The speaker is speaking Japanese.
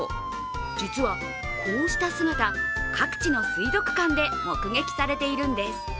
実はこうした姿各地の水族館で目撃されているんです。